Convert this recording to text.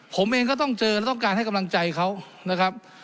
ผมเองก็ต้องเจอและต้องการให้กำลังใจเขานะครับ